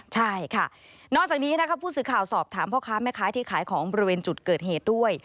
ใช่ค่ะนอกจากนี้นะครับผู้สื่อข่าวสอบถามพ่อค้าแม่ค้าที่ขายของบริเวณจุดเกิดเหตุด้วย